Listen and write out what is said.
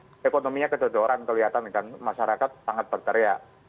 sekali ekonominya kedodoran kelihatan kan masyarakat sangat berkarya